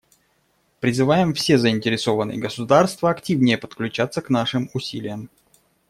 Призываем все заинтересованные государства активнее подключаться к нашим усилиям.